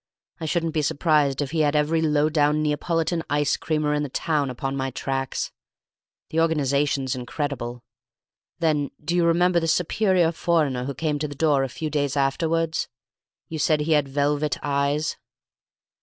I shouldn't be surprised if he had every low down Neapolitan ice creamer in the town upon my tracks! The organization's incredible. Then do you remember the superior foreigner who came to the door a few days afterwards? You said he had velvet eyes."